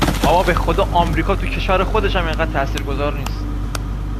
بابا بخدا امریکا تو کشور خودشم انقدر تاثیر گذار نیست